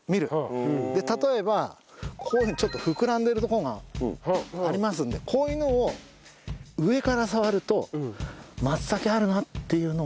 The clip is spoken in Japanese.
例えばこういうふうにちょっと膨らんでる所がありますんでこういうのを上から触ると。